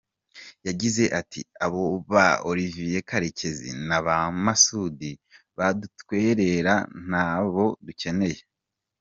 Yagize ati “Abo ba Olivier Karekezi na Masoudi badutwerera ntabo dukeneye.